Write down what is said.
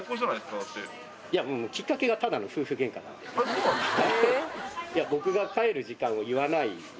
そうなんですか？